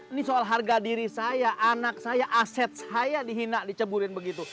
ini soal harga diri saya anak saya aset saya dihina diceburin begitu